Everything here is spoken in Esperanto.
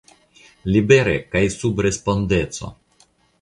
Libere kaj sub respondeco!